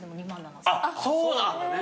そうなんだね。